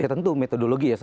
ya tentu metodologi ya